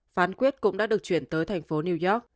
phán quyết cũng đã được chuyển tới thành phố new york